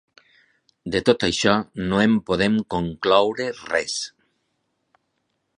De tot això, no en podem concloure res.